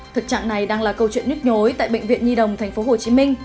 thực trạng này đang là câu chuyện nhức nhối tại bệnh viện nhi đồng tp hcm